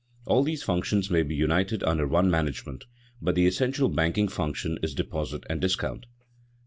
All these functions may be united under one management, but the essential banking function is deposit and discount.